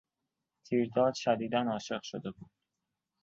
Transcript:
تیرداد شدیدا عاشق شده بود.